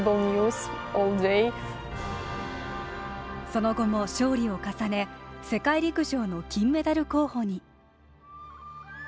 その後も勝利を重ね世界陸上の金メダル候補に。